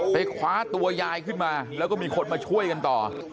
คว้าตัวยายขึ้นมาแล้วก็มีคนมาช่วยกันต่อ